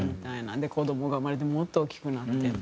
で子どもが生まれてもっと大きくなって。